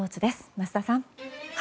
桝田さん。